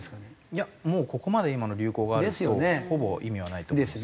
いやもうここまで今の流行があるとほぼ意味はないと思いますね。